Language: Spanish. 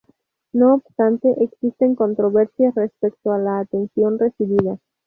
No obstante, existen controversias respecto a la atención recibida.